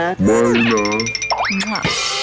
ไม่นะ